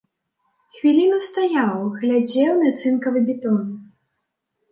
Хвіліну стаяў, глядзеў на цынкавы бітон.